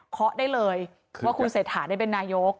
เคาะได้เลยว่าคุณเศรษฐาได้เป็นนายก